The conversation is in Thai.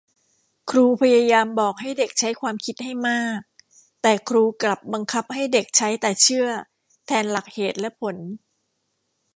ครูพยายามบอกให้เด็กใช้ความคิดให้มาก แต่ครูกลับบังคับให้เด็กใช้แต่เชื่อแทนหลักเหตุและผล